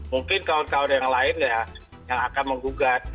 mungkin kalau ada yang lain ya yang akan menggugat